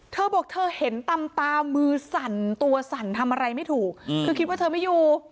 เธอบอกเธอเห็นตำตามือสั่นตัวสั่นทำอะไรไม่ถูกคือคิดว่าเธอไม่อยู่